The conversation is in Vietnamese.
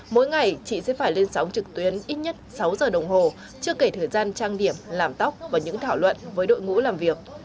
mỗi ngày chị sẽ phải lên sóng trực tuyến ít nhất sáu giờ đồng hồ chưa kể thời gian trang điểm làm tóc và những thảo luận với đội ngũ làm việc